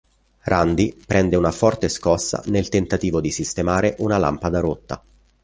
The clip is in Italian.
Randy prende una forte scossa nel tentativo di sistemare una lampada rotta.